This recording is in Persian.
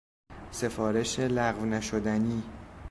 سفارش لغو نشدنی